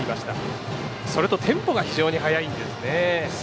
テンポが非常に速いんですね。